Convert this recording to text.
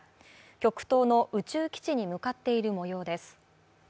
極東の宇宙基地に向かっているもようです。